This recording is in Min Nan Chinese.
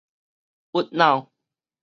鬱腦